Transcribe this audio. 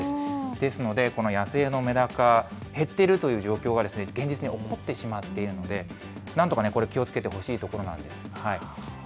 ですので、この野生のメダカ、減っているという状況は、現実に起こってしまっているので、なんとか、気をつけてほしいところなんです。